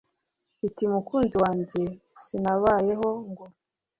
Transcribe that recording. itimukunzi wajye sinabayeho ngo